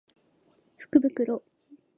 福袋